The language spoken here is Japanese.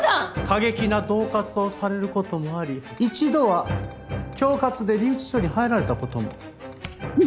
過激な恫喝をされる事もあり一度は恐喝で留置場に入られた事も。